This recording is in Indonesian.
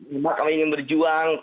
karena kami ingin berjuang